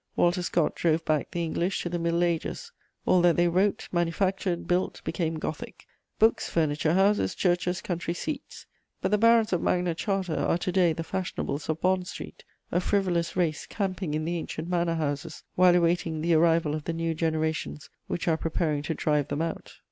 Walter Scott drove back the English to the Middle Ages; all that they wrote, manufactured, built, became Gothic: books, furniture, houses, churches, country seats. But the barons of Magna Charta are to day the fashionables of Bond Street, a frivolous race camping in the ancient manor houses while awaiting the arrival of the new generations which are preparing to drive them out.